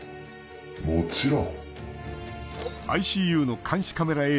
もちろん。